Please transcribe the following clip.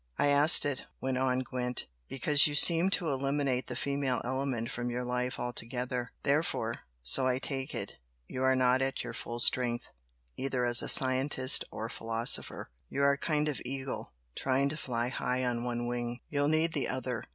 "I asked it," went on Gwent "because you seem to eliminate the female element from your life altogether. Therefore, so I take it, you are not at your full strength, either as a scientist or philosopher. You are a kind of eagle, trying to fly high on one wing. You'll need the other!